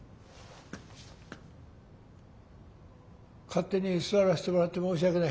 勝手に座らせてもらって申し訳ない。